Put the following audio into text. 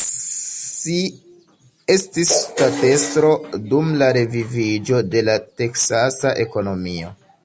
Si estis ŝtatestro dum la reviviĝo de la Teksasa ekonomio.